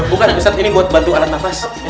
bukan ustadz ini buat bantu anak nafas